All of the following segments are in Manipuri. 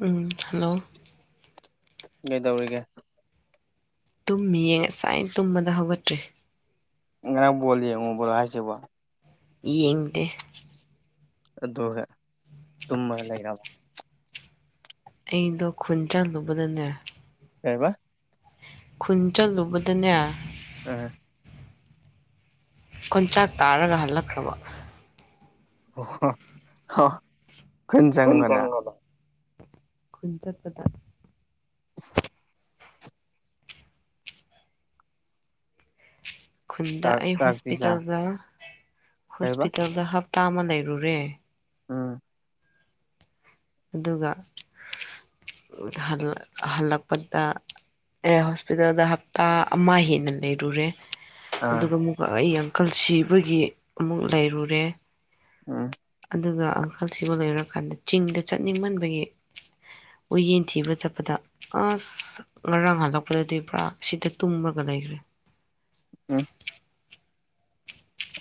ꯎꯝ ꯍꯜꯂꯣ ꯀꯩꯗꯧꯔꯤꯒꯦ ꯇꯨꯝꯃꯤ ꯌꯦ ꯉꯁꯥꯏꯅ ꯇꯨꯝꯕꯗ ꯍꯧꯒꯠꯇ꯭ꯔꯤ ꯉꯔꯥꯡ ꯕꯣꯜ ꯌꯦꯡꯂꯨꯕꯔꯣ ꯍꯥꯏꯁꯤꯕꯣ ꯌꯦꯡꯗꯦ ꯑꯗꯨꯒ ꯇꯨꯝꯃ ꯂꯩꯔꯝꯃꯣ ꯑꯩꯗꯣ ꯈꯨꯟ ꯆꯜꯂꯨꯕꯗꯅꯦ ꯀꯩꯕ ꯈꯨꯟ ꯆꯪꯂꯨꯕꯗꯅꯦ ꯎꯝ ꯀꯣꯟꯆꯥꯛ ꯇꯥꯔꯒ ꯍꯜꯂꯛꯈ꯭ꯔꯕ ꯍꯣ ꯍꯣ ꯈ ꯆꯗ ꯈꯟ ꯆꯠꯄꯗ [inaudible] [unintelligible] ꯈꯨꯟꯗ ꯆꯥꯛ ꯑꯩ ꯆꯥꯛꯇꯤ ꯆꯥ ꯍꯣꯁꯄꯤꯇꯥꯜꯗ ꯀꯩꯕ ꯍꯣꯁꯄꯤꯇꯥꯜꯗ ꯍꯥꯞ ꯍꯥꯞꯇ ꯑꯃ ꯂꯩꯔꯨꯔꯦ ꯎꯝ [inaudible] ꯑꯗꯨꯒ ꯍꯜꯂꯛ ꯍꯜꯂꯛꯄꯗ ꯑꯦ ꯍꯣꯁꯄꯤꯇꯥꯜꯗ ꯍꯞꯇꯥ ꯑꯃ ꯍꯦꯟꯅ ꯂꯩꯔꯨꯔꯦ ꯑꯥ ꯑꯗꯨꯒ ꯑꯃꯨꯛꯀ ꯑꯩ ꯑꯪꯀꯜ ꯁꯤꯕꯒꯤ ꯑꯃꯨꯛ ꯂꯩꯔꯨꯔꯦ ꯎꯝ [unintelligible] ꯑꯗꯨꯒ ꯑꯪꯀꯜꯁꯤꯕ ꯂꯣꯏꯔꯀꯥꯟꯗ ꯆꯤꯡꯗ ꯆꯠꯅꯤꯡꯃꯟꯕꯒꯤ ꯎ ꯌꯦꯟ ꯊꯤꯕ ꯆꯠꯄꯗ ꯑꯁ ꯉꯔꯥꯡ ꯍꯜꯂꯛꯄꯗꯗꯤ ꯄꯨꯔꯥ ꯁꯤꯗ ꯇꯨꯝꯃꯒ ꯂꯩꯈ꯭ꯔꯦ ꯎꯝ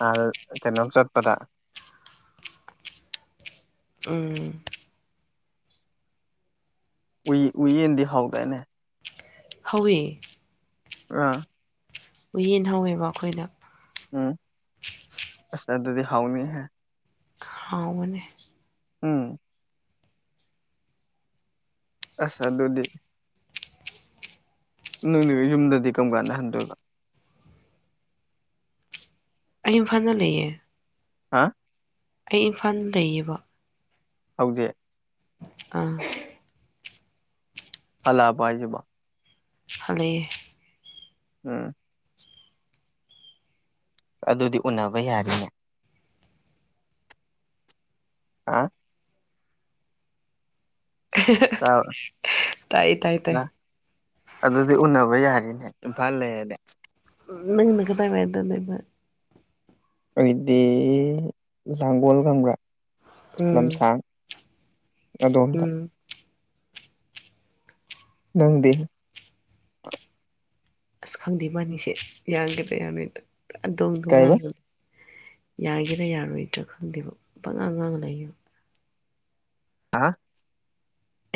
ꯑꯗꯥ ꯀꯩꯅꯣ ꯆꯣꯠꯄꯗ ꯎꯝ ꯎꯏ ꯎꯏꯌꯦꯟꯗꯤ ꯍꯧꯗꯥꯏꯅꯦ ꯍꯧꯋꯦ ꯑꯥ ꯎ ꯌꯦꯟ ꯍꯧꯋꯦꯕ ꯑꯩꯈꯣꯏꯗ ꯎꯝ ꯑꯁ ꯑꯗꯨꯗꯤ ꯍꯥꯎꯅꯤꯍꯦ ꯍꯥꯎꯕꯅꯦ ꯎꯝ ꯑꯁ ꯑꯗꯨꯗꯤ ꯅꯪꯗꯤ ꯌꯨꯝꯗꯗꯤ ꯀꯔꯝ ꯀꯥꯟꯗ ꯍꯟꯗꯣꯏꯕ ꯑꯩ ꯏꯝꯐꯥꯜꯗ ꯂꯩꯌꯦ ꯍꯥ ꯑꯩ ꯏꯝꯐꯥꯜ ꯂꯩꯌꯦꯕ ꯍꯧꯖꯤꯛ ꯑꯥ ꯍꯜꯂꯥꯛꯑꯕꫭ ꯍꯥꯢꯁꯤꯕꯨ ꯍꯥꯜꯂꯥꯛꯑꯦ ꯎꯝ ꯑꯗꯨꯗꯤ ꯎꯅꯕ ꯌꯥꯔꯦꯅꯦ ꯑꯥ ꯇꯥꯕ꯭ꯔꯥ ꯇꯥꯏ ꯇꯥꯏ ꯇꯥꯏ ꯂꯥ [inaudible] ꯑꯗꯨꯗꯤ ꯎꯟꯅꯕ ꯌꯥꯔꯤꯅꯦ ꯏꯝꯐꯥꯜ ꯂꯩꯔꯗꯤ ꯅꯪꯅ ꯀꯗꯥꯏꯋꯥꯢꯗꯥ ꯂꯩꯕꯥ ꯑꯩꯗꯤ ꯅꯥꯝꯕꯣꯜ ꯈꯪꯕ꯭ꯔꯥ ꯎꯝ ꯂꯝꯁꯥꯡ ꯑꯗꯣꯝꯗ ꯎꯝ ꯅꯪꯗꯤ ꯑꯁ ꯈꯪꯗꯦ ꯃꯒꯤꯁꯦ ꯌꯥꯒꯗ꯭ꯔꯥ ꯌꯥꯔꯣꯢꯗ꯭ꯔꯥ ꯄꯨꯔꯥ ꯗꯣꯟ ꯗꯨ ꯀꯩꯕ ꯃꯉꯥꯢꯔꯦ ꯌꯥꯒꯦꯔꯥ ꯌꯥꯔꯣꯏꯗ꯭ꯔꯥ ꯈꯪꯗꯦꯕ ꯄꯥꯉꯥꯡꯉꯥꯑ ꯂꯩꯌꯦꯕ ꯍꯥ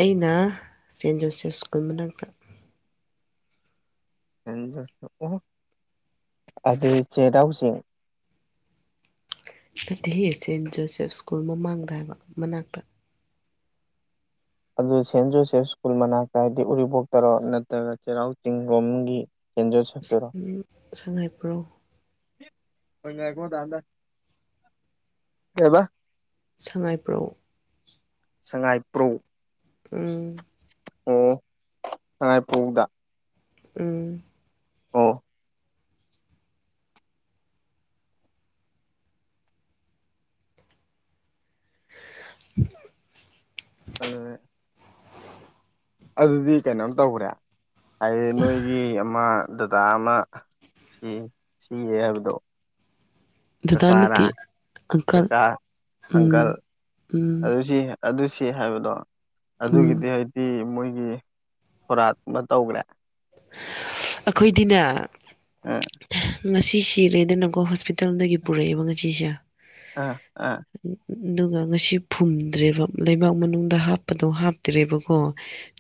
ꯑꯩꯅ ꯁꯦꯟ ꯖꯣꯁꯦꯐ ꯁ꯭ꯀꯨꯜ ꯃꯅꯥꯛꯇ [unintelligible] ꯆꯦꯔꯥꯎꯆꯥꯡ ꯅꯠꯇꯦꯍꯦ ꯁꯦꯟ ꯖꯣꯁꯦꯞ ꯁ꯭ꯀꯨꯜ ꯃꯃꯥꯡꯗ ꯍꯥꯏꯕ ꯃꯅꯥꯛꯇ ꯑꯗꯨ ꯁꯦꯟ ꯖꯣꯁꯦꯐ ꯁ꯭ꯀꯨꯜ ꯃꯅꯥꯛꯇ ꯍꯥꯏꯗꯤ ꯎꯔꯤꯄꯣꯛꯇꯔꯣ ꯅꯠꯇ꯭ꯔꯒ ꯆꯩꯔꯥꯎ ꯆꯤꯡ ꯂꯣꯝꯒꯤ [unintelligible] ꯁꯉꯥꯏꯄꯨꯔꯣ ꯍꯣꯏ ꯉꯥꯏꯈꯣ ꯗꯥꯟꯗꯥ ꯀꯩꯕ ꯁꯉꯥꯏꯄ꯭ꯔꯧ ꯁꯉꯥꯏꯄ꯭ꯔꯧ ꯎꯝ ꯑꯣ ꯁꯉꯥꯏꯄ꯭ꯔꯧꯗ ꯎꯝ ꯑꯣ [inaudible] ꯑ [inaudible] ꯑꯗꯨꯗꯤ ꯀꯩꯅꯣꯝ ꯇꯧꯈ꯭ꯔꯦ ꯍꯥꯏꯗꯤ ꯅꯣꯏꯒꯤ ꯑꯃ ꯗꯗꯥ ꯑꯃ ꯁꯤ ꯁꯤꯌꯦ ꯍꯥꯏꯕꯗꯣ ꯗꯗꯥ ꯀꯀꯥꯔꯥ ꯅꯠꯇꯦ ꯑꯪꯀꯜ ꯀꯀꯥ ꯎꯝ ꯑꯪꯀꯜ ꯎꯝ ꯑꯗꯨꯁꯤ ꯑꯗꯨ ꯁꯤ ꯍꯥꯏꯕꯗꯣ ꯎꯝ ꯑꯗꯨꯒꯤꯗꯤ ꯍ ꯁꯤ ꯃꯣꯏꯒꯤ ꯁꯣꯔꯥꯠ ꯑꯃ ꯇꯧꯒ꯭ꯔꯦ ꯑꯈꯣꯏꯗꯤꯅꯦ ꯑ ꯉꯁꯤ ꯁꯤꯔꯦꯗꯅꯀꯣ ꯍꯣꯁꯄꯤꯇꯥꯜꯗꯒꯤ ꯄꯨꯔꯛꯑꯦꯕ ꯉꯁꯤꯁꯦ ꯑꯥ ꯑꯥ ꯎꯝ ꯑꯗꯨꯒ ꯉꯁꯤ ꯐꯨꯝꯗ꯭ꯔꯦꯕ ꯂꯩꯕꯥꯛ ꯃꯅꯨꯡꯗ ꯍꯥꯞꯄꯗꯣ ꯍꯥꯞꯇ꯭ꯔꯦꯕꯀꯣ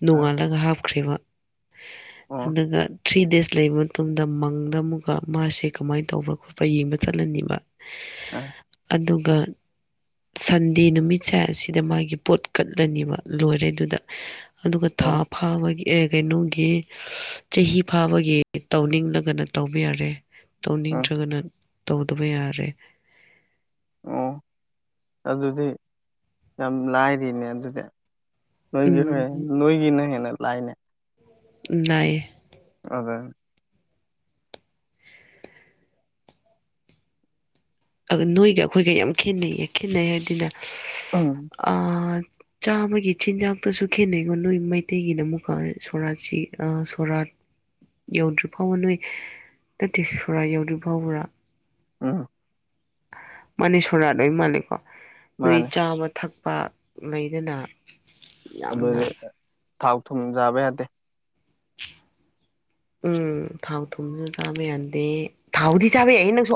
ꯅꯣꯡꯉꯥꯜꯂꯒ ꯍꯥꯞꯈ꯭ꯔꯦꯕ ꯑꯣ ꯁꯨꯗꯒ ꯊ꯭ꯔꯤ ꯗꯦꯖ ꯂꯩꯕ ꯃꯇꯨꯡꯗ ꯃꯪꯗ ꯑꯃꯨꯛꯀ ꯃꯥꯁꯦ ꯀꯃꯥꯏꯅ ꯇꯧꯕ꯭ꯔꯥ ꯈꯣꯠꯄ꯭ꯔ ꯌꯦꯡꯕ ꯆꯠꯂꯅꯤꯕ ꯑꯥ ꯑꯗꯨꯒ ꯁꯟꯗꯦ ꯅꯨꯃꯤꯠꯁꯦ ꯑꯁꯤꯗ ꯃꯥꯒꯤ ꯄꯣꯠ ꯀꯠꯂꯅꯤꯕ ꯂꯣꯏꯔꯦ ꯑꯗꯨꯗ ꯑꯗꯨꯒ ꯊꯥ ꯑꯣ ꯐꯥꯕꯒꯤ ꯑꯦ ꯀꯩꯅꯣꯒꯤ ꯆꯍꯤ ꯐꯥꯕꯒꯤ ꯇꯧꯅꯤꯡꯂꯒꯅ ꯇꯧꯕ ꯌꯥꯔꯦ ꯑ ꯇꯧꯅꯤꯡꯗ꯭ꯔꯒꯅ ꯇꯧꯗꯕ ꯌꯥꯔꯦ ꯑꯣ ꯑꯗꯨꯗꯤ ꯌꯥꯝ ꯂꯥꯏꯔꯤꯅꯦ ꯑꯗꯨꯗꯤ ꯅꯣꯏꯒꯤ ꯎꯝ [unintelligible] ꯅꯣꯏꯒꯤꯅ ꯍꯦꯟꯅ ꯂꯥꯏꯅꯦ ꯎꯝ ꯅꯥꯏꯌꯦ [unintelligible] ꯅꯣꯏꯒ ꯑꯩꯈꯣꯏꯒ ꯌꯥꯝ ꯈꯦꯠꯅꯩꯌꯦ ꯈꯦꯠꯅꯩ ꯍꯥꯏꯗꯤꯅꯦ ꯑꯥ ꯑꯥ ꯆꯥꯕꯒꯤ ꯆꯤꯟꯖꯥꯛꯇꯁꯨ ꯈꯦꯠꯅꯩꯀꯣ ꯅꯣꯏ ꯃꯩꯇꯩꯒꯤꯅ ꯑꯃꯨꯛꯀ ꯁꯣꯔꯥꯠꯁꯤ ꯑ ꯁꯣꯔꯥꯠ ꯌꯧꯗ꯭ꯔꯤ ꯐꯥꯎꯕ ꯅꯣꯏ ꯇꯇꯦꯁꯣꯔꯥ ꯌꯎꯗ꯭ꯔꯤ ꯐꯥꯎꯕ꯭ꯔꯥ [unintelligible] ꯃꯥꯟꯅꯦ ꯁꯣꯔꯥꯠ ꯂꯣꯏ ꯃꯥꯟꯅꯩꯀꯣ ꯅꯣꯏ ꯃꯥꯅꯦ ꯆꯥꯕ ꯊꯛ ꯄꯥꯛ ꯂꯩꯗꯅ ꯌꯥꯝꯅ ꯑꯗꯨꯗꯤ ꯊꯥꯎ ꯊꯨꯝ ꯆꯥꯕ ꯌꯥꯗꯦ [inaudible] ꯎꯝ ꯊꯥꯎ ꯊꯨꯝꯁꯨ ꯆꯥꯕ ꯌꯥꯗꯦ ꯊꯥꯎꯗꯤ ꯆꯥꯕ ꯌꯥꯏ ꯅꯪꯁꯨ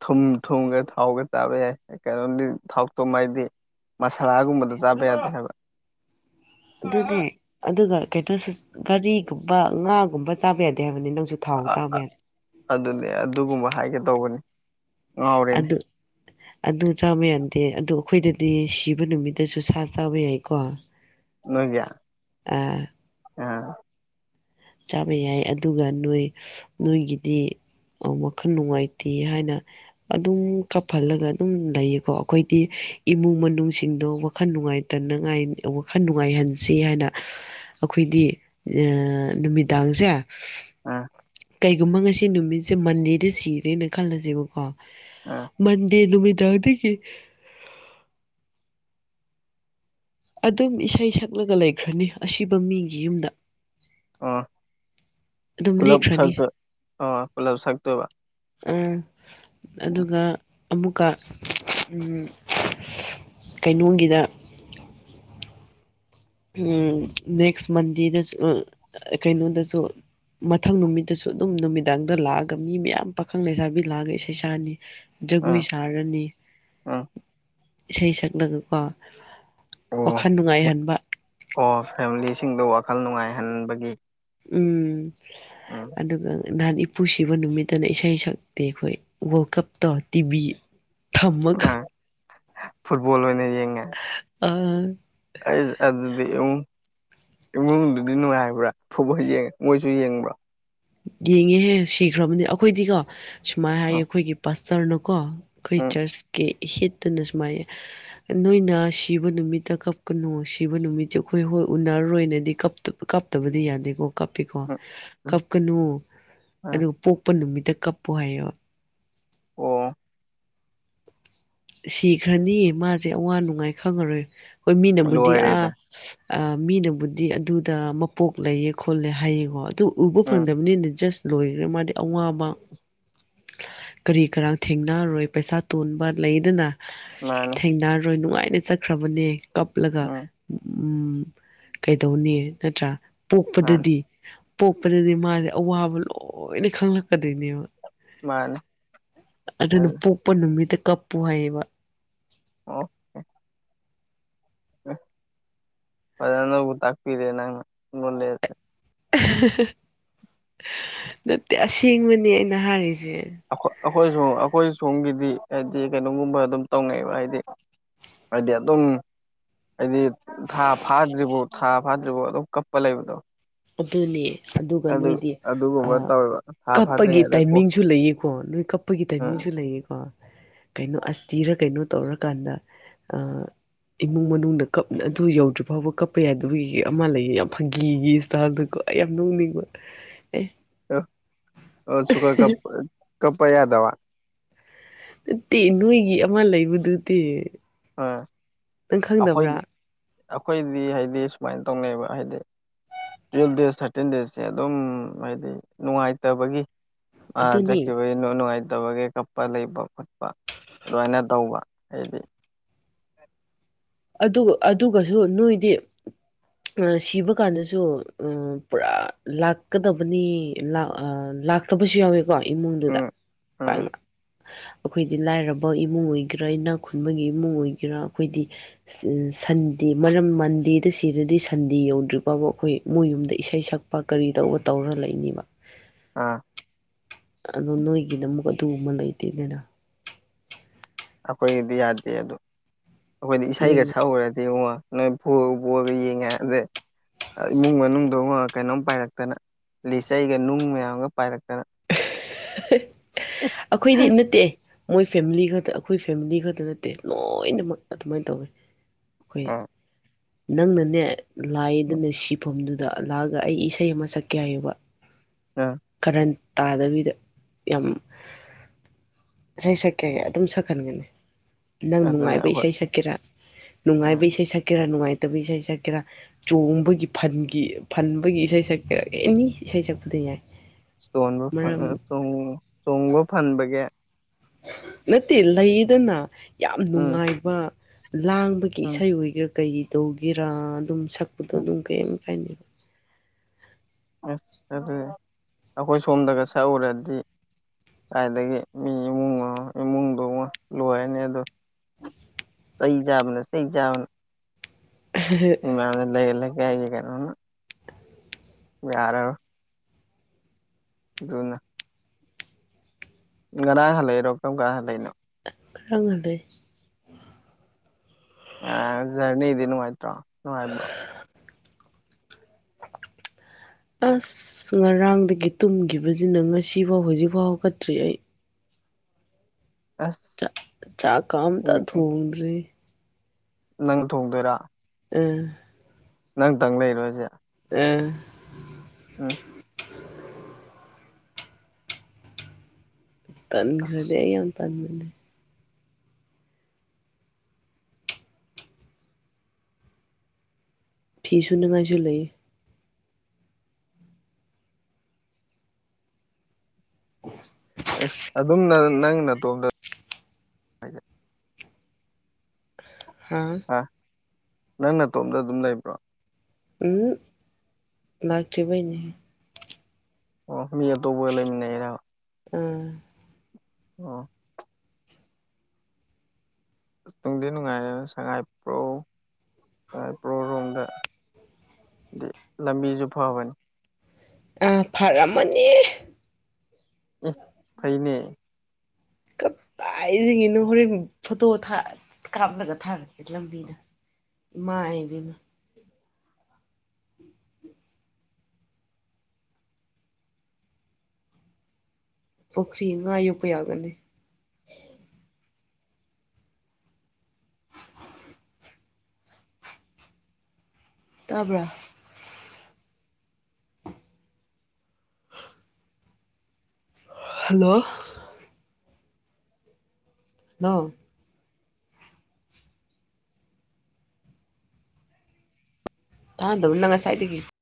ꯊꯨꯝ ꯊꯨꯝꯒ ꯊꯥꯎꯒ ꯆꯥꯕ ꯌꯥꯏ ꯀꯩꯅꯣꯝꯗꯤ ꯊꯥꯎꯇꯣ ꯃꯥꯏꯗꯤ ꯃꯁꯥꯂꯥꯒꯨꯝꯕꯗꯣ ꯆꯥꯕ ꯌꯥꯗꯦ ꯍꯥꯏꯕ ꯑꯗꯨꯅꯦ ꯑꯗꯨꯒ ꯀꯩꯅꫭꯁꯨ ꯉꯥꯔꯤꯒꯨꯝꯕ ꯉꯥꯒꯨꯝꯕ ꯆꯥꯕ ꯌꯥꯗꯦ ꯍꯥꯏꯕꯅꯤ ꯅꯪꯁꯨ ꯊꯥꯎ ꯑ ꯆꯥꯝ ꯑ [unintelligible] ꯑꯗꯨꯅꯦ ꯑꯗꯨꯒꯨꯝꯕ ꯍꯥꯏꯒꯦ ꯇꯧꯕꯅꯤ ꯉꯥꯎꯔꯦꯅꯦ ꯑꯗꯨꯗ ꯑꯗꯨ ꯆꯥꯕ ꯌꯥꯗꯦ ꯑꯗꯨꯗ ꯑꯩꯈꯣꯏꯗꯗꯤ ꯁꯤꯕ ꯅꯨꯃꯤꯠꯇꯁꯨ ꯁꯥ ꯆꯥꯕ ꯌꯥꯏꯀꯣ [unintelligible] ꯅꯣꯏꯒꯌꯥ ꯑꯥ ꯑ ꯆꯥꯕ ꯌꯥꯏ ꯑꯗꯨꯒ ꯅꯣꯏ ꯅꯣꯏꯒꯤꯗꯤ ꯋꯥꯈꯜ ꯅꯨꯡꯉꯥꯏꯇꯦ ꯍꯥꯏꯅ ꯑꯗꯨꯝ ꯀꯞꯍꯜꯂꯒ ꯑꯗꯨꯝ ꯂꯩꯌꯦꯀꯣ ꯑꯩꯈꯣꯏꯗꯤ ꯏꯃꯨꯡ ꯃꯅꯨꯡꯁꯤꯡꯗꯣ ꯋꯥꯈꯜ ꯅꯨꯡꯉꯥꯏ ꯇꯅꯉꯥꯏ ꯋꯥꯈꯜ ꯅꯨꯡꯉꯥꯏꯍꯟꯁꯤ ꯍꯥꯏꯅ ꯑꯩꯈꯣꯏꯗꯤ ꯅꯨꯃꯤꯗꯥꯡꯁꯦ ꯑꯥ ꯀꯩꯒꯨꯝꯕ ꯉꯁꯤ ꯅꯨꯃꯤꯠꯁꯦ ꯃꯟꯗꯦꯗ ꯁꯤꯔꯦꯅ ꯈꯜꯂꯁꯦꯕꯀꯣ ꯃꯟꯗꯦ ꯅꯨꯃꯤꯠꯗꯥꯗꯒꯤꯗꯒꯤ ꯑꯗꯨꯝ ꯏꯁꯩ ꯁꯛꯂꯒ ꯂꯩꯈ꯭ꯔꯅꯤ ꯑꯁꯤꯕ ꯃꯤꯒꯤ ꯌꯨꯝꯗ ꯑ ꯑꯗꯨꯝ ꯄꯨꯂꯞ ꯂꯦꯛꯈ꯭ꯔꯅꯤ ꯁꯛ ꯑꯥ ꯄꯨꯂꯞ ꯁꯛꯇꯣꯏꯕ ꯎ ꯑꯗꯨꯒ ꯑꯃꯨꯛꯀ ꯀꯩꯅꯣꯝꯒꯤꯗ ꯎ ꯎꯝ ꯅꯦꯁꯛ ꯃꯟꯗꯦꯗꯁꯨ ꯀꯩꯅꯣꯗꯁꯨ ꯃꯊꯪ ꯅꯨꯃꯤꯠꯇꯁꯨ ꯑꯗꯨꯝ ꯅꯨꯃꯤꯗꯥꯡꯗ ꯂꯥꯛꯑꯒ ꯃꯤ ꯃꯌꯥꯝ ꯄꯥꯈꯪ ꯂꯩꯁꯥꯕꯤ ꯂꯥꯛꯑꯒ ꯏꯁꯩ ꯁꯥꯅꯤ ꯖꯒꯣꯏ ꯁꯥꯔꯅꯤ ꯎꯝ ꯏꯁꯩ ꯁꯛꯂꯒꯀꯣ ꯑꯣ ꯋꯥꯈꯜ ꯅꯨꯡꯉꯥꯏꯍꯟꯕ ꯑꯣ ꯐꯦꯃꯤꯂꯤꯁꯤꯡꯗ ꯋꯥꯈꯜ ꯅꯨꯡꯉꯥꯏꯍꯟꯕꯒꯤ ꯎꯝ ꯎꯝ ꯑꯗꯨꯒ ꯅꯍꯥꯟ ꯏꯄꯨ ꯁꯤꯕ ꯅꯨꯃꯤꯠꯇꯅ ꯏꯁꯩ ꯁꯛꯇꯤ ꯑꯩꯈꯣꯏ ꯋꯥꯔꯜ ꯀꯞꯇꯧ ꯇꯤꯚꯤ ꯊꯝꯃꯒ ꯑ ꯐꯨꯠꯕꯣꯜ ꯑꯣꯏꯅ ꯌꯦꯡꯉ ꯑ ꯑꯩ ꯑꯗꯨꯗꯤ ꯏꯃꯨꯡꯗꯨꯗꯤ ꯅꯨꯡꯉꯥꯏꯕ꯭ꯔꯥ ꯐꯨꯕ ꯌꯦꯡꯉꯦ ꯃꯣꯏꯁꯨ ꯌꯦꯡꯕ꯭ꯔꯣ ꯌꯦꯡꯉꯦꯍꯦ ꯁꯤꯈ꯭ꯔꯕꯅꯤ ꯑꯩꯈꯣꯏꯗꯤꯀꯣ ꯁꯨꯃꯥꯏꯅ ꯍꯥꯏꯌꯦ ꯑꯥ ꯑꯩꯈꯣꯏꯒꯤ ꯄꯁꯇꯔꯅꯀꯣ ꯑꯩꯈꯣꯏ ꯎꯝ ꯆꯔꯆꯀꯤ ꯍꯤꯠꯇꯨꯅ ꯁꯨꯃꯥꯏ ꯅꯣꯏꯅ ꯁꯤꯕ ꯅꯨꯃꯤꯠꯇ ꯀꯞꯀꯅꯨ ꯁꯤꯕ ꯅꯨꯃꯤꯠꯇꯁ ꯑꯩꯈꯣꯏ ꯍꯣꯏ ꯎꯅꯔꯔꯣꯏꯅꯗꯤꯞ ꯀꯥꯞꯇꯕꯗꯤ ꯌꯥꯅꯤꯀꯣ ꯀꯥꯞꯄꯤꯀꯣ ꯎꯝ ꯎꯝ ꯀ ꯀꯅꯨ ꯑꯥ ꯑꯗꯨꯒ ꯄꯣꯛꯄ ꯅꯨꯃꯤꯠꯇ ꯀꯞꯄꯨ ꯍꯥꯏꯌꯦꯕ ꯑꯣ ꯁꯤꯈ꯭ꯔꯅꯤ ꯃꯥꯁꯦ ꯑꯋꯥ ꯅꯨꯡꯉꯥꯏ ꯈꯪꯉꯔꯣꯏ ꯍꯣꯏ ꯃꯤꯅꯕꯨꯗꯤ ꯂꯣꯏꯔꯦꯗ ꯑꯥ ꯃꯤꯅꯕꯨꯗꯤ ꯑꯗꯨꯗ ꯃꯄꯣꯛ ꯂꯩꯌꯦ ꯈꯣꯠꯂꯦ ꯍꯥꯏꯌꯦꯀꯣ ꯑꯗꯨ ꯎꯕ ꯎꯝ ꯐꯪꯗꯕꯅꯤꯅ ꯖꯁ ꯂꯣꯏꯈ꯭ꯔꯦ ꯃꯥꯗꯤ ꯑꯋꯥꯕ ꯀꯔꯤ ꯀꯔꯥꯡ ꯊꯦꯡꯅꯔꯔꯣꯏ ꯄꯩꯁꯥ ꯇꯣꯟꯕ ꯂꯩꯗꯨꯅ ꯃꯥꯅꯦ ꯔꯔꯣꯏ ꯅꯨꯡꯉꯥꯏꯅ ꯆꯠꯈ꯭ꯔꯕꯅꯦ ꯀꯞꯂꯒ ꯎꯝ ꯎꯝ ꯀꯩꯗꯧꯅꯤ ꯅꯠꯇ꯭ꯔꯥ ꯃꯥꯅꯤ ꯄꯣꯛꯄꯗꯗꯤ ꯄꯣꯛꯄꯗꯗꯤ ꯃꯥꯁꯦ ꯑꯋꯥꯕ ꯂꯣꯏꯅ ꯈꯪꯂꯛꯀꯗꯣꯏꯅꯦꯕ ꯃꯥꯅꯤ ꯑꯗꯨꯅ ꯑꯗꯨ ꯄꯣꯛꯄ ꯅꯨꯃꯤꯠꯇ ꯀꯞꯄꯨ ꯍꯥꯏꯌꯦꯕ ꯑꯣꯦ ꯍꯕꯨ ꯇꯥꯛꯄꯤꯤꯔꯦ ꯅꯉ ꯂ ꯂꯩꯁ ꯅꯠꯇꯦ ꯑꯁꯦꯡꯕꯅꯤ ꯑꯩꯅ ꯍꯥꯏꯔꯤꯁꯦ ꯑꯩꯈꯣꯏ ꯁ ꯑꯩꯈꯣꯏ ꯁꯣꯝꯒꯤꯗꯤ ꯍꯥꯏꯗꯤ ꯀꯩꯅꯣꯒꯨꯝꯕ ꯑꯗꯨꯝ ꯇꯧꯅꯩꯑꯕ ꯍꯥꯏꯗꯤ ꯍꯥꯏꯗꯤ ꯑꯗꯨꯝ ꯍꯥꯏꯗꯤ ꯊꯥ ꯐꯥꯗ꯭ꯔꯤꯕꯣ ꯊꯥ ꯐꯥꯗ꯭ꯔꯤꯕꯣ ꯑꯗꯨꯝ ꯀꯞꯄ ꯂꯩꯕꯗꯣ ꯑꯗꯨꯅꯦ ꯑꯗꯨꯒ ꯑꯗꯨ ꯅꯣꯏꯗꯤ ꯑ ꯑꯗꯨꯒꯨꯝꯕ ꯇꯧꯋꯦꯕ ꯊꯥ ꯀꯞꯄꯒꯤ ꯐꯥꯗ꯭ꯔꯤꯉꯩꯗ ꯀꯣ ꯇꯥꯏꯃꯤꯡꯁꯨ ꯂꯩꯑꯀꯣ ꯅꯣꯏ ꯀꯞꯄꯒꯤ ꯎꯝ ꯇꯥꯏꯃꯤꯡꯁꯨ ꯂꯩꯑꯀꯣ ꯀꯩꯅꯣ ꯑꯁꯇꯤꯔ ꯀꯩꯅꯣ ꯇꯧꯔꯀꯥꯟꯗ ꯑ ꯏꯃꯨꯡ ꯃꯅꯨꯡ ꯀꯞ ꯑꯗꯨ ꯌꯧꯗ꯭ꯔꯤ ꯐꯥꯎꯕ ꯀꯞꯄ ꯌꯥꯗꯕꯒꯤ ꯑꯃ ꯂꯩꯌꯦ ꯌꯥꯝ ꯐꯪꯒꯤꯒꯤ ꯗꯀꯣ ꯑꯩ ꯌꯥꯝ ꯅ ꯎꯅꯤꯡꯕ ꯑꯦ ꯁꯨꯀ ꯀ ꯀꯞꯄ ꯌꯥꯗꯕ ꯅꯠꯇꯦ ꯅꯣꯏꯒꯤ ꯑꯃ ꯂꯩꯕꯗꯨꯗꯤ ꯎꯝ ꯅꯪ ꯈꯪꯗꯕ꯭ꯔꯥ ꯑꯩꯈꯣꯏꯗꯤ ꯑꯩꯈꯣꯏꯗꯤ ꯍꯥꯏꯗꯤ ꯁꯨꯃꯥꯏꯅ ꯇꯧꯅꯩꯑꯕ ꯍꯥꯏꯗꯤ ꯇꯨꯋꯦꯜ ꯗꯦꯖ ꯊꯥꯔꯇꯤꯟ ꯗꯦꯖꯁꯦ ꯑꯗꯨꯝ ꯍꯥꯏꯗꯤ ꯅꯨꯡꯉꯥꯏꯇꯕꯒꯤ ꯑ ꯑꯗꯨꯅꯤ ꯆꯖꯀꯤꯦꯕ ꯅꯨꯡꯉꯥꯏꯇꯕꯒꯤ ꯀꯞꯄ ꯂꯩꯕ ꯈꯣꯠꯄ ꯑꯗꯨꯃꯥꯏꯅ ꯇꯧꯕ ꯍꯥꯏꯗꯤ ꯑꯗꯨꯒ ꯑꯗꯨꯒꯁꯨ ꯅꯣꯏꯗꯤ ꯁꯤꯕ ꯀꯥꯟꯗꯁꯨ ꯄꯨꯔꯥ ꯂꯥꯛꯀꯗꯕꯅꯤ ꯊꯕꯁꯨ ꯌꯥꯎꯋꯦꯀꯣ ꯏꯃꯨꯡꯗꯨꯗ ꯎꯝ ꯎꯝ ꯄꯥꯛꯅ ꯑꯩꯈꯣꯏꯗꯤ ꯂꯥꯏꯔꯕ ꯏꯃꯨꯡ ꯑꯣꯏꯒꯦꯔꯥ ꯏꯅꯥꯛ ꯈꯨꯟꯕꯒꯤ ꯏꯃꯨꯡ ꯑꯣꯏꯒꯦꯔꯥ ꯑꯩꯈꯣꯏꯗꯤ ꯁꯟꯗꯦ ꯃꯔꯝ ꯃꯟꯗꯦꯗ ꯁꯤꯔꯗꯤ ꯁꯟꯗꯦ ꯌꯧꯗ꯭ꯔꯤ ꯐꯕ ꯑꯩꯈꯣꯏ ꯃꯣꯏ ꯌꯨꯝꯗ ꯏꯁꯩ ꯁꯛꯄ ꯂꯄꯥ ꯀꯔꯤ ꯇꯧꯕ ꯇꯧꯔ ꯂꯩꯅꯤꯕ ꯑꯥ ꯑꯗꯣ ꯅꯣꯏꯒꯤꯅ ꯑꯃꯨꯛ ꯑꯗꯨ ꯑꯃ ꯂꯩꯇꯦꯗꯅ ꯑꯩꯈꯣꯏꯒꯤꯗꯤ ꯌꯥꯗꯦ ꯑꯣ ꯑꯩꯈꯣꯏꯗꯤ ꯏꯁꯩꯒ ꯑꯗꯨꯅꯦ ꯁꯛꯎꯔꯗꯤ ꯎꯃꯉ ꯅꯣꯏ ꯄ ꯄꯒ ꯌꯦꯉ ꯑꯗ ꯏꯃꯨꯡ ꯃꯅꯨꯡꯗ ꯀꯩꯅꯣꯝ ꯄꯥꯏꯔꯛꯇꯅ ꯂꯤꯆꯩꯒ ꯅꯨꯡ ꯃꯌꯥꯝꯒ ꯄꯥꯏꯔꯛꯇꯅ ꯑꯩꯈꯣꯏꯗꯤ ꯅꯠꯇꯦ ꯃꯣꯏ ꯐꯦꯃꯤꯂꯤ ꯈꯛꯇ ꯑꯩꯈꯣꯏ ꯐꯦꯃꯤꯂꯤ ꯈꯛꯇ ꯅꯠꯇꯦ ꯂꯣꯏꯅꯃꯛ ꯑꯗꯨꯃꯥꯏꯅ ꯇꯧꯋꯤ ꯑ ꯑꯩꯈꯣꯏ ꯅꯪꯅꯅꯦ ꯂꯥꯏꯗꯅ ꯁꯤꯐꯝꯗꯨꯗ ꯑꯜꯂꯥꯑꯒ ꯑꯩ ꯏꯁꯩ ꯑꯃ ꯁꯛꯀꯦ ꯍꯥꯏꯌꯦꯕ ꯎꯝ ꯀꯔꯟ ꯇꯥꯗꯕꯤꯗ ꯌꯥꯝ ꯏꯁꯩ ꯁꯛꯀꯒꯦ ꯑꯗꯨꯝ ꯁꯛꯍꯟꯒꯅꯤ ꯅꯪ ꯑꯗꯨꯅ ꯅꯨꯡꯉꯥꯏꯕ ꯑꯩꯈꯣꯏ ꯏꯁꯩ ꯁꯛꯀꯦꯔꯥ ꯅꯨꯡꯉꯥꯏꯕ ꯏꯁꯩ ꯁꯛꯀꯦꯔꯥ ꯅꯨꯡꯉꯥꯏꯇꯕ ꯏꯁꯩ ꯁꯛꯀꯦꯔꯥ ꯆꯣꯡꯕꯒꯤ ꯐꯟꯒꯤ ꯐꯟꯕꯒꯤ ꯏꯁꯩ ꯁꯛꯀ ꯑꯦꯅꯤ ꯏꯁꯩ ꯁꯛꯄꯗ ꯌꯥꯏ ꯏꯁꯇꯣꯟꯕꯨ ꯃꯔꯝ ꯆꯣꯡꯕ ꯐꯟꯕꯒꯤ ꯅꯠꯇꯦ ꯂꯩꯗꯅ ꯌꯥꯝ ꯎꯝ ꯅꯨꯡꯉꯥꯏꯕ ꯂꯥꯡꯕꯒꯤ ꯎꯝ ꯏꯁꯩ ꯑꯣꯏꯒ ꯀꯩ ꯇꯧꯒꯦꯔꯥ ꯑꯗꯨꯝ ꯁꯛꯄꯗꯣ ꯎꯝ ꯑꯗꯨꯝ ꯀꯔꯤꯝ ꯀꯥꯏꯅꯦꯕ ꯑꯁ ꯑꯗꯨꯗꯤ ꯑꯩꯈꯣꯏ ꯁꯣꯝꯗꯒ ꯁꯛꯎꯔꯗꯤ ꯀꯥꯏꯏꯗꯒꯤ ꯃꯤ ꯏꯃꯨꯡ ꯏꯃꯨꯡꯗꯨꯃ ꯂꯣꯏꯔꯅꯤ ꯑꯗꯨ ꯁ ꯌꯥꯕꯅꯦ ꯁꯤ ꯆꯕꯅꯦ ꯏꯃ ꯂꯩꯒ ꯂꯩ ꯀꯦ ꯍꯥꯏꯔꯦ ꯌꯥꯔ ꯑꯗꯨꯅ ꯀꯗꯥꯥꯏ ꯍꯜ ꯂꯩꯛꯏꯔꯣ ꯀꯝ ꯀ ꯍꯂꯛꯏꯅꯣ [unintelligible] ꯑ ꯁꯅꯤ ꯏ ꯅꯅꯨꯡꯥꯏꯇ꯭ꯔꯣ ꯑꯅꯨꯡ ꯍꯥꯏꯕ꯭ꯔꯣ [unintelligible] ꯑꯁ ꯉꯔꯥꯡꯗꯒꯤ ꯇꯨꯝꯈꯤꯕꯁꯤꯅ ꯉꯁꯤꯐꯥꯎ ꯍꯧꯖꯤꯛꯐꯥꯎ ꯀꯠꯇ꯭ꯔꯤ ꯑꯩ ꯑꯁ ꯆ ꯆꯥꯛ ꯀ ꯑꯝꯇ ꯊꯣꯡꯗ꯭ꯔꯤ ꯅꯪ ꯊꯣꯡꯗꯣꯏꯔꯥ ꯎꯝ ꯅꯪꯇꯪ ꯂꯩꯔꯣꯁꯦ ꯑ ꯑ ꯇꯟꯈ꯭ꯔꯗꯦ ꯌꯥꯝ ꯇꯟꯈ꯭ꯔꯗꯦ ꯐꯤꯁꯨ ꯅꯨꯡꯉꯥꯏꯁꯨ ꯂꯩ [unintelligible] ꯑꯗꯨꯝꯅ ꯅꯪ ꯅꯇꯣꯝꯗ ꯍꯥꯥ ꯅꯪ ꯅꯥꯇꯣꯝꯗ ꯑꯗꯨꯝ ꯂꯩꯕ꯭ꯔꯣ ꯎ ꯂꯥꯛꯇꯔꯕꯒꯤꯅꯦ ꯑꯣ ꯃꯤ ꯑꯇꯣꯞꯄꯒ ꯂꯩꯃꯤꯟꯅꯩꯔꯥꯕ ꯎꯝ ꯑꯣ ꯇꯨꯡꯗꯤ ꯅꯨꯡꯉꯥꯏꯔꯦ ꯁꯉꯥꯏꯄ꯭ꯔꯣ ꯁꯉꯥꯏꯄ꯭ꯔꯧ ꯔꯣꯝꯗ ꯑꯗꯤ ꯂꯝꯕꯤꯁꯨ ꯐꯕꯅꯤ ꯐꯔꯝꯃꯅꯤ ꯎꯝ ꯐꯩꯅꯦ ꯀꯗꯥꯏꯗꯥꯒꯤꯅꯣ ꯍꯣꯔꯦꯟ ꯐꯣꯇꯣ ꯊꯥ ꯀꯥꯞꯂꯒ ꯊꯥꯔꯛꯀꯦ ꯂꯝꯕꯤꯗ ꯃꯥꯏꯗꯨꯅ ꯄꯣꯈꯔꯤ ꯉꯥ ꯌꫭꯛꯄꯌꯥꯒꯅꯤ ꯇꯥꯕ꯭ꯔꯥ ꯍꯜꯂꯣ ꯅ ꯇꯥꯗꯕꯔꫭ ꯅꯪ ꯉꯁꯥꯏꯗꯒꯤ